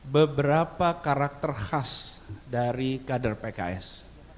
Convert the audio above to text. beberapa karakter khas dari kader pks